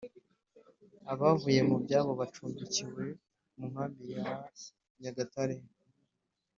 abavuye mu byabo bacumbikiwe munkami I nyagatare